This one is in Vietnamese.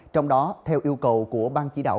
trong đó theo yêu cầu của ban chỉ đạo